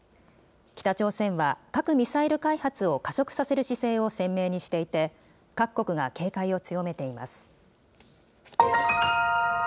北朝鮮は核・ミサイル開発を加速させる姿勢を鮮明にしていて、各国が警戒を強めています。